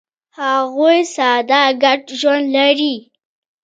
هغوی ساده ګډ ژوند لري.